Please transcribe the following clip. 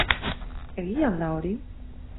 Egia al da hori?